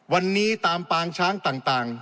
วันนี้ตามปางช้างต่าง